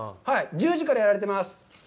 １０時からやられてます。